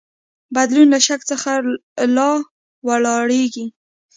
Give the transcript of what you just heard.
بدلون له شک څخه راولاړیږي.